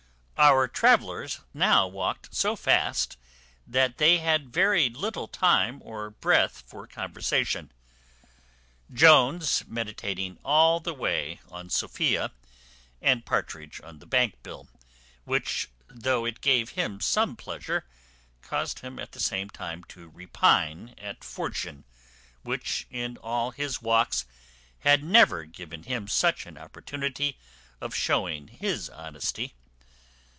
Our travellers now walked so fast, that they had very little time or breath for conversation; Jones meditating all the way on Sophia, and Partridge on the bank bill, which, though it gave him some pleasure, caused him at the same time to repine at fortune, which, in all his walks, had never given him such an opportunity of showing his honesty.